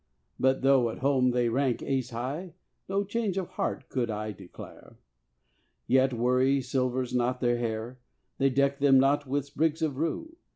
But though at home they rank ace high, No change of heart could I declare. Yet worry silvers not their hair; They deck them not with sprigs of rue.